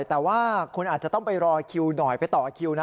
แต่ว่าคุณอาจจะต้องไปรอคิวหน่อยไปต่อคิวนะ